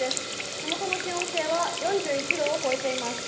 手元の気温計は４１度を超えています。